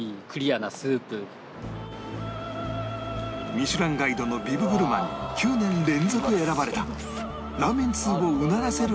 『ミシュランガイド』のビブグルマンに９年連続選ばれたラーメン通をうならせる一杯が